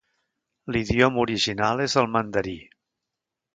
L'idioma original és el mandarí.